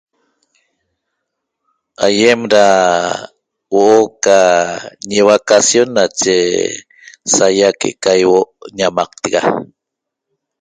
Aýem da huo'o ca ñivacacion nache saýia que'eca ýihuo' ñamaqtega